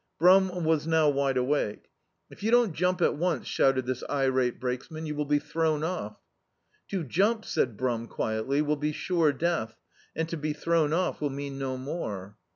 Brum was now wide awake. "If you doa't jump at once," shouted this irate brakesman, "you will be thrown off." "To jump," said Brum quietly, "will be sure death, and to be thrown off will mean no more."